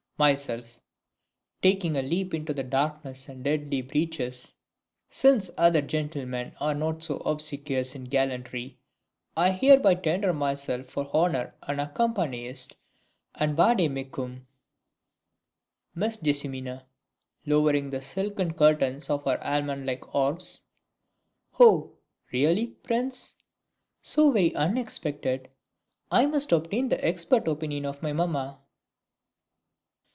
_ Myself (taking a leap into the darkness and deadly breaches). Since other gentlemen are not more obsequious in gallantry, I hereby tender myself for honour of accompanyist and vade mecum. Miss Jess. (lowering the silken curtains of her almond like orbs). Oh, really, PRINCE! So very unexpected! I must obtain the expert opinion of my Mamma.